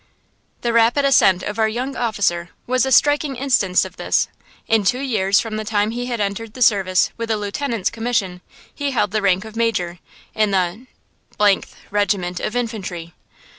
The rapid ascent of our young officer was a striking instance of this. In two years from the time he had entered the service, with a lieutenant's commission, he held the rank of major, in the –th Regiment of Infantry.